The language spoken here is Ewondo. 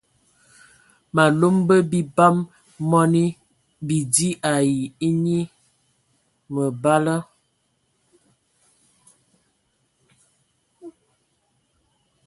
Malom bə bie bam mɔni bidi ai enyi məbala.